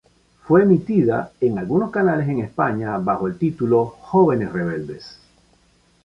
Fue emitida en algunos canales en España bajo el titulo Jóvenes rebeldes.